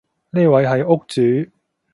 呢位係屋主